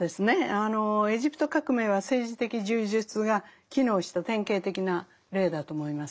あのエジプト革命は政治的柔術が機能した典型的な例だと思います。